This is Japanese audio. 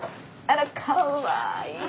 あっかわいい！